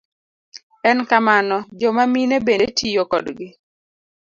En kamano, joma mine bende tiyo kodgi.